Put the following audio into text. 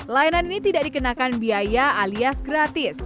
layanan ini tidak dikenakan biaya alias gratis